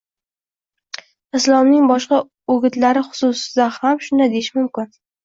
Islomning boshqa o‘gitlari xususida ham shunday deyish mumkin